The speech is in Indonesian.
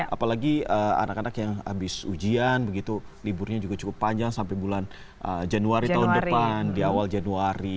apalagi anak anak yang habis ujian begitu liburnya juga cukup panjang sampai bulan januari tahun depan di awal januari